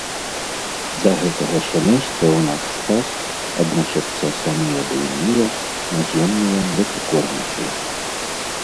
Да гэтага сямейства ў наш час адносяцца самыя буйныя наземныя млекакормячыя.